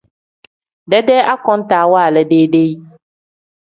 Dedee akontaa waala deyi-deyi.